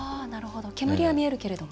煙は見えるけども。